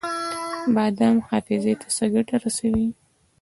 بادام حافظې ته څه ګټه رسوي؟